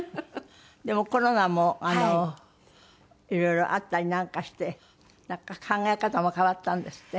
でもコロナも色々あったりなんかして考え方も変わったんですって？